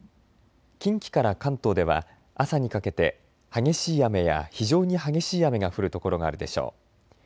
近畿から関東では朝にかけて激しい雨や非常に激しい雨が降る所があるでしょう。